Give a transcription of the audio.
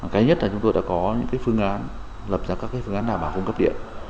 cái nhất là chúng tôi đã có những phương án lập ra các phương án đảm bảo cung cấp điện